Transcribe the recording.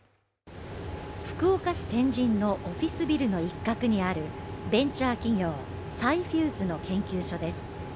福岡市天神のオフィスビルの一角にあるベンチャー企業、サイフューズの研究所です。